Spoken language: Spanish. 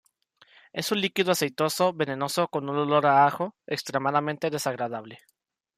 Es un líquido aceitoso venenoso con un olor a ajo extremadamente desagradable.